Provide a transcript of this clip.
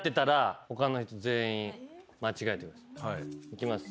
いきます。